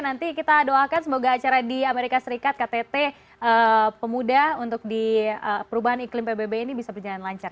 nanti kita doakan semoga acara di amerika serikat ktt pemuda untuk di perubahan iklim pbb ini bisa berjalan lancar